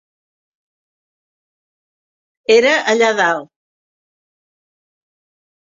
Era allà dalt.